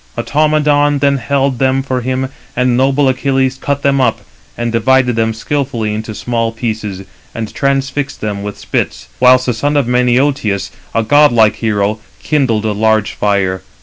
Automedon then held them for him, and noble Achilles cut them up; and divided them skilfully into small pieces, and transfixed them with spits; whilst the son of Menœtius, a godlike hero, kindled a large fire.